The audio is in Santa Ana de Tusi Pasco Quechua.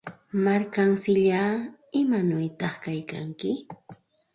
Markamsillaa, ¿imanawta kaykanki?